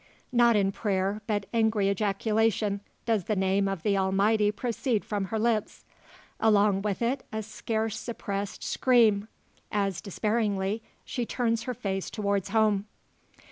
Not in prayer, but angry ejaculation, does the name of the Almighty proceed from her lips. Along with it a scarce suppressed scream, as, despairingly, she turns her face towards home.